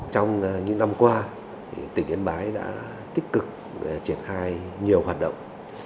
trong những năm qua tỉnh yên bái đã tích cực triển khai nhiều hoạt động